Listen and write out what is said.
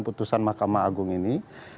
putusan makamah agung ini